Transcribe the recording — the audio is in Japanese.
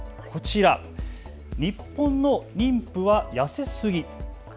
こちら、日本の妊婦は痩せすぎ？